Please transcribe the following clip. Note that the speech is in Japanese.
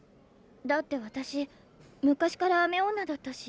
だって私昔から雨女だったし。